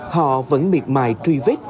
họ vẫn miệt mại truy vết